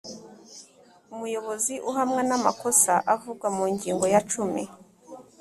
umuyobozi uhamwa n amakosa avugwa mu ngingo ya cumi